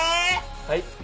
はい。